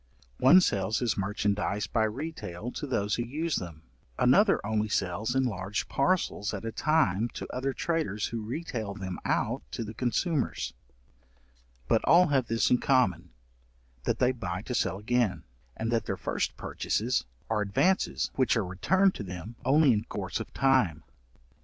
One sells his merchandize by retail to those who use them, another only sells in large parcels at a time, to other traders who retail them out to the consumers: but all have this in common that they buy to sell again, and that their first purchases are advances which are returned to them only in course of time.